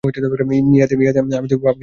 ইহাতে আমি তো পাপ কিছুই দেখিতেছি না।